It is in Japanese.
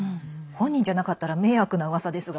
本人じゃなかったら迷惑なうわさですが。